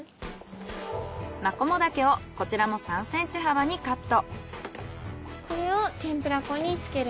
マコモダケをこちらも３ｃｍ幅にカット。